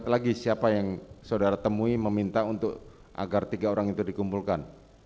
lagi siapa yang saudara temui meminta untuk agar tiga orang itu dikumpulkan